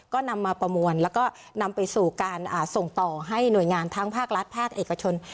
ก็นำมาประมวลแล้วก็นำไปสู่การส่งต่อให้หน่วยงานทั้งภาครัฐภาคเอกชน